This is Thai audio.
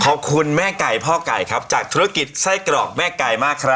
ขอบคุณแม่ไก่พ่อไก่ครับจากธุรกิจไส้กรอกแม่ไก่มากครับ